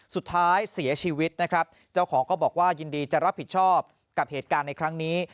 สุดท้ายเสียชีวิตนะครับเจ้าของก็บอกว่ายินดีจะรับผิดชอบกับเหตุการณ์ในครั้งนี้